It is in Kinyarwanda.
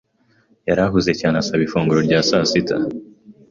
yari ahuze cyane asiba ifunguro rya sasita.